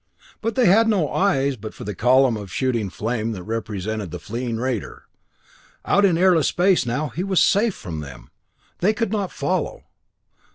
But they had no eyes but for the column of shooting flame that represented the fleeing raider! Out in airless space now, he was safe from them. They could not follow.